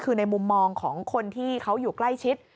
คือในมุมมองของคนที่เขาอยู่ใกล้ชิด